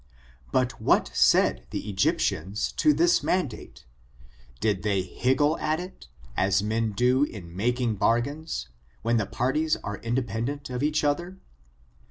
But what said the Egyptians to this mandate 7 Did they higgle at it, as men will do in making bar gains, when the parties are independent of each other?